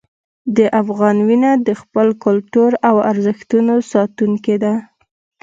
د افغان وینه د خپل کلتور او ارزښتونو ساتونکې ده.